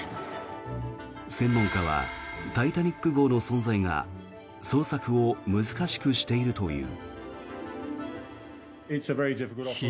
専門家は「タイタニック号」の存在が捜索を難しくしているという。